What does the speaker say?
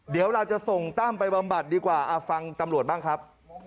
เดี๋ยวเราจะส่งตั้มไปบำบัดดีกว่าฟังตำรวจบ้างครับ